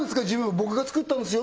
僕が作ったんですよ